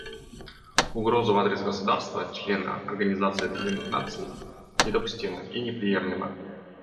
Угрозы в адрес государства-члена Организации Объединенных Наций недопустимы и неприемлемы.